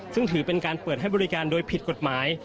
ซึ่งถือเป็นการเปิดให้บริการโดยผิดกฎหมาย